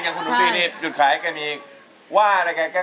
อย่างคุณหนุ๊ตตีนิทดูดขายให้ได้รู้